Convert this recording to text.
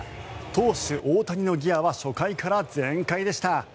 投手・大谷のギアは初回から全開でした。